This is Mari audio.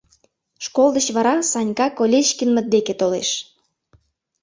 Школ деч вара Санька Колечкинмыт деке толеш.